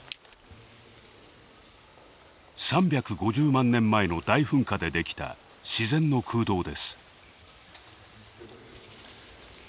３５０万年前の大噴火でできた自然の空洞です。